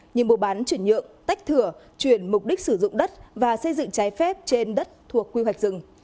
như mua bán chuyển nhượng tách thửa chuyển mục đích sử dụng đất và xây dựng trái phép trên đất thuộc quy hoạch rừng